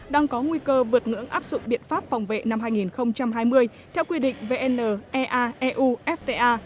đang có nguy cơ vượt ngưỡng áp dụng biện pháp phòng vệ năm hai nghìn hai mươi theo quy định vn ea eu fta